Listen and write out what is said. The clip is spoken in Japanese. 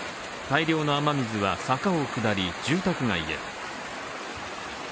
大量の雨水は坂を下り住宅街へ。